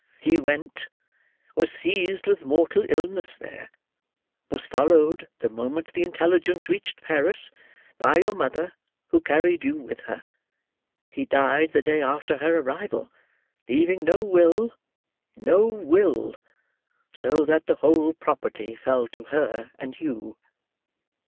He went; was seized with mortal illness there; was followed, the moment the intelligence reached Paris, by your mother who carried you with her; he died the day after her arrival, leaving no will—no will—so that the whole property fell to her and you."